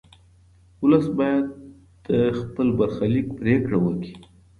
ولس باید د خپل برخلیک پرېکړه وکړي.